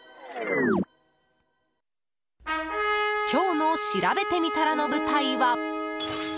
今日のしらべてみたらの舞台は。